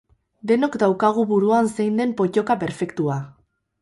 Denok daukagu buruan zein den pottoka perfektua.